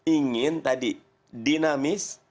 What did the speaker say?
ingin tadi dinamis